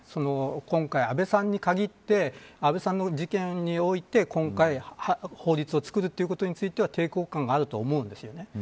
今回、安倍さんに限って安倍さんの事件において、今回法律を作るということについては抵抗感があると思うんですよね。